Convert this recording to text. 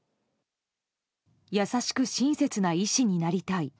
優しく親切な医師になりたい。